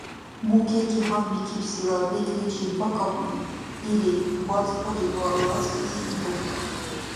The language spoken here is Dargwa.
«Мукеки гьанбикибсила бекӀличиб бакӀабну» или, бацӀбариб ва лацлизи игьуб.